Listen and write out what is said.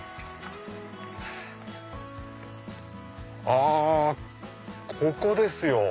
あここですよ。